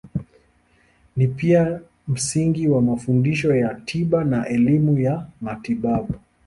Ni pia msingi wa mafundisho ya tiba na elimu ya matibabu.